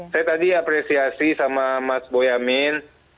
saya tadi apresiasi sama mas boyamin